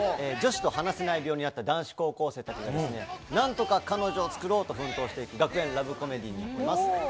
女子と話せない病になった男子高校生たちが、何とか彼女を作ろうと奮闘している学園ラブコメディーになっています。